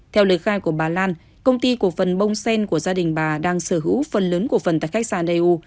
theo lời khai của bà lan công ty cổ phần bông sen của gia đình bà đang sở hữu phần lớn cổ phần tại khách sạn eu